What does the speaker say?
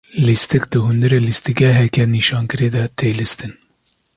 Lîstik di hundirê lîstikgeheke nîşankirî de, tê lîstin.